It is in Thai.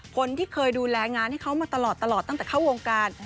คนที่เคยดูแลงานให้เขามาตลอดตั้งแต่เข้าวงการ